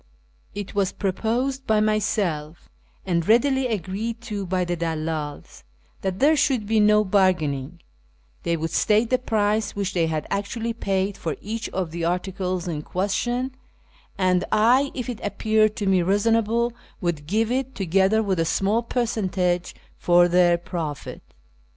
It was proposed by myself, and readily agreed to by the dalldls, that there should be no bargaining : they would state the price which they had actually paid for each of the articles in question, and I, if it appeared to me reasonable, would give it, together with a small per centage for their profit.